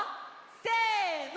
せの。